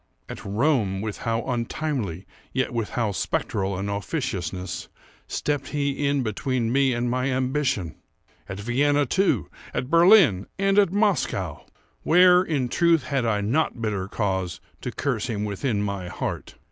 —at Rome, with how untimely, yet with how spectral an officiousness, stepped he in between me and my ambition! At Vienna, too—at Berlin—and at Moscow! Where, in truth, had I not bitter cause to curse him within my heart?